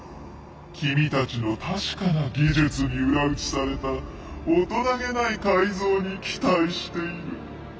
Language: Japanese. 君たちの確かな技術に裏打ちされた大人げない改造に期待している。